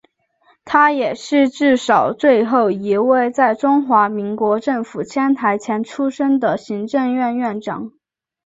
他也是至今最后一位在中华民国政府迁台前出生的行政院院长。